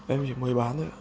em chỉ mới bán thôi